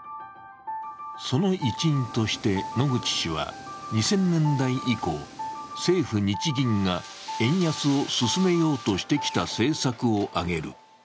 その一因として野口氏は、２０００年代以降、政府・日銀が円安を進めようとしてきた政策を挙げる。